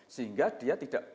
sehingga dia tidak